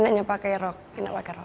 hanya pakai rok enak pakai rok